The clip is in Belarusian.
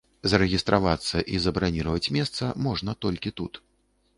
Зарэгістравацца і забраніраваць месца можна толькі тут.